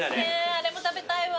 あれも食べたいわ。